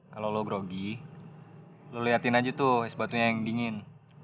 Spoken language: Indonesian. kalau lo grogi lo lihatin aja tuh es batunya yang dingin